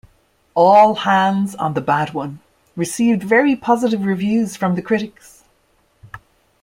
"All Hands on the Bad One" received very positive reviews from critics.